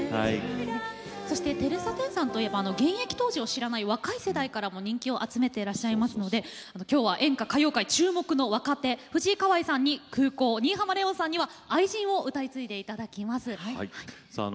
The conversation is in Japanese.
テレサ・テンさんといえば現役当時を知らない若い世代からも人気を集めていますので演歌歌謡界注目の若手藤井香愛さんには「空港」新浜レオンさんには「愛人」を歌い継いでいただきます。